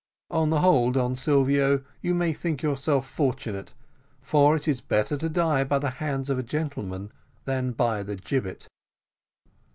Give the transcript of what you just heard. On the whole, Don Silvio, you may think yourself fortunate, for it is better to die by the hands of a gentleman than by the gibbet."